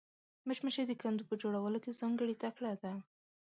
مچمچۍ د کندو په جوړولو کې ځانګړې تکړه ده